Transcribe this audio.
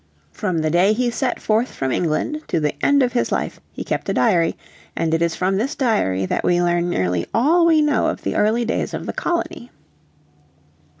From the day he set forth from England to the end of his life he kept a diary, and it is from this diary that we learn nearly all we know of the early days of the colony.